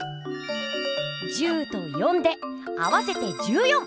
１０と４で合わせて１４！